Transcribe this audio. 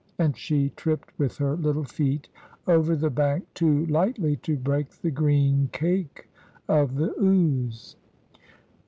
And she tripped with her little feet over the bank too lightly to break the green cake of the ooze.